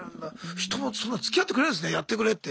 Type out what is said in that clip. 人はそんなつきあってくれるんですねやってくれって。